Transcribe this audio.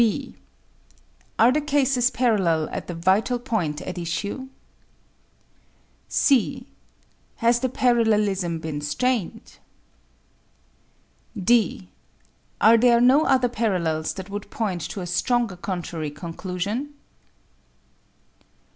(b) Are the cases parallel at the vital point at issue? (c) Has the parallelism been strained? (d) Are there no other parallels that would point to a stronger contrary conclusion?